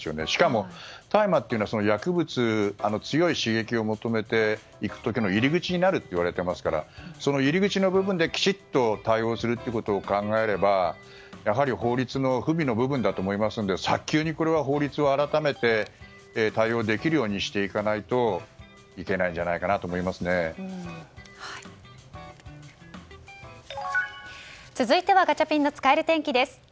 しかも、大麻というのは強い刺激を求めていく時の入り口になるといわれていますからその入り口の部分できちっと対応するということを考えればやはり法律の不備の部分だと思いますので、早急に法律を改めて対応できるようにしていかないといけないんじゃないかなと続いてはガチャピンの使える天気です。